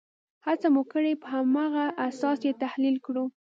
هڅه مو کړې په هماغه اساس یې تحلیل کړو.